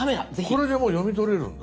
これでもう読み取れるんだ。